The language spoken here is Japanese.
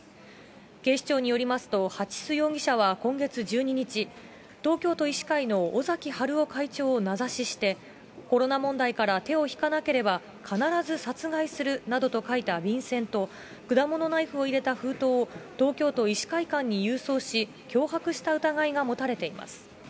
警視庁によりますと蜂須容疑者は今月１２日、東京都医師会の尾崎治夫会長を名指しして、コロナ問題から手を引かなければ、必ず殺害するなどと書いた便せんと果物ナイフを入れた封筒を東京都医師会館に郵送し、脅迫した疑いが持たれています。